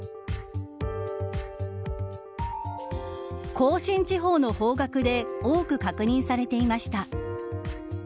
甲信地方の方角で多く確認されていました。